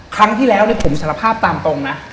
ครั้งที่แล้วเนี่ยผมสารภาพตามตรงนะ